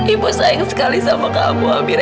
ibu sayang sekali sama kamu habir